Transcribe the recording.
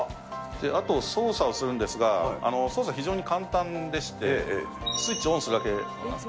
あと、操作をするんですが、操作非常に簡単でして、スイッチオンするだけなんです。